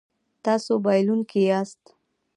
تاسو بایلونکی یاست